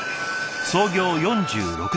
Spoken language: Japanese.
創業４６年。